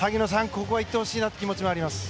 ここはいってほしいなという気持ちがあります。